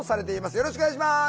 よろしくお願いします。